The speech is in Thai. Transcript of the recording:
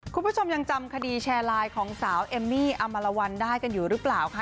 คุณผู้ชมยังจำคดีแชร์ไลน์ของสาวเอมมี่อมรวรรณได้กันอยู่หรือเปล่าคะ